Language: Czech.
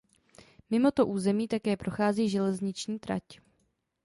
Mimo to územím také prochází železniční trať.